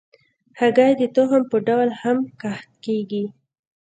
هګۍ د تخم په ډول هم کښت کېږي.